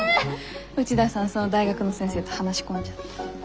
内田さんその大学の先生と話し込んじゃった？